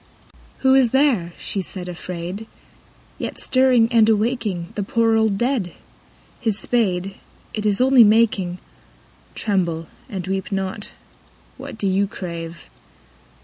II. Who is there, she said afraid, yet Stirring and awaking The poor old dead? His spade, it Is only making, — (Tremble and weep not I What do you crave